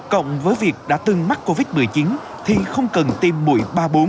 cộng với việc đã từng mắc covid một mươi chín thì không cần tiêm mũi ba bốn